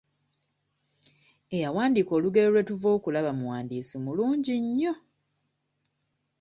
Eyawandiika olugero lwe tuva okulaba muwandiisi mulungi nnyo.